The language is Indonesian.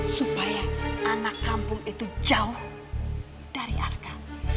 supaya anak kampung itu jauh dari harga